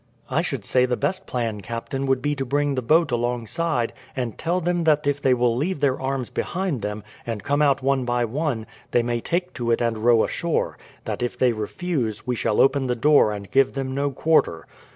"I should say the best plan, captain, would be to bring the boat alongside, and tell them that if they will leave their arms behind them, and come out one by one, they may take to it and row ashore. That if they refuse, we shall open the door and give them no quarter."